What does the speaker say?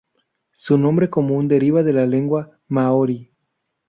Su nombre común deriva de la lengua maorí.